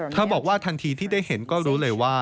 บอกว่าทันทีที่ได้เห็นก็รู้เลยว่า